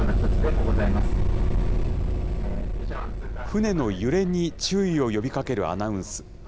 船の揺れに注意を呼びかけるアナウンス。